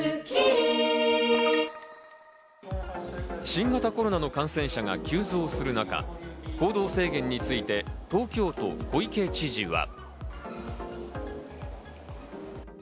新型コロナの感染者が急増する中、行動制限について東京都・小池知事は。